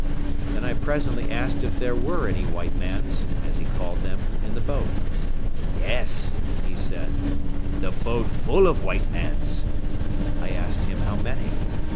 Then I presently asked if there were any white mans, as he called them, in the boat. "Yes," he said; "the boat full of white mans." I asked him how many.